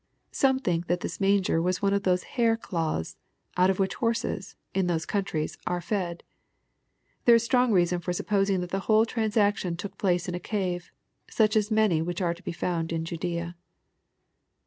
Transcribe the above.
Some think that this manger was one of those hair cloths, out of wbich horses, in those coun tries, are fed. There is strong reason for supposing that the whole transaction took place in a cave, such as many which are to be found in Judea.